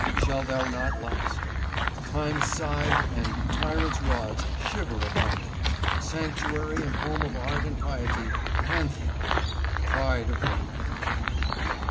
Shalt thou not last ? Time's scythe and tyrant's rods Shiver upon thee — sanctuary and home Of art and piety — Pantheon !— pride of Rome